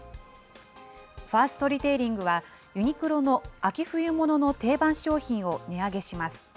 ファーストリテイリングは、ユニクロの秋・冬物の定番商品を値上げします。